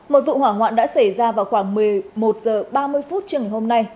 một vụ hỏa hoạn đã xảy ra vào khoảng một mươi một h ba mươi phút trường ngày hôm nay